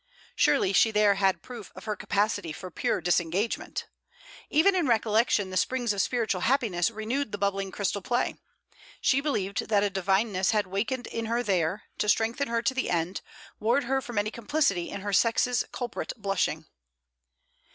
Surely she there had proof of her capacity for pure disengagement. Even in recollection the springs of spiritual happiness renewed the bubbling crystal play. She believed that a divineness had wakened in her there, to strengthen her to the end, ward her from any complicity in her sex's culprit blushing.